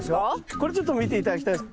これちょっと見て頂きたいんです。